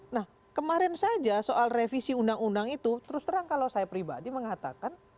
nah kemarin saja soal revisi undang undang itu terus terang kalau saya pribadi mengatakan